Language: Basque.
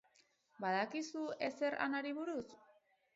Badakizu ezer Anari buruz?